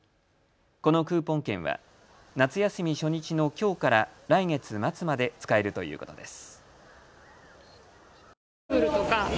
このクーポン券は夏休み初日のきょうから来月末まで使えるということです。